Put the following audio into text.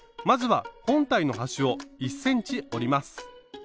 まずは本体の端を１ｃｍ折ります。